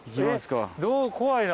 怖いな。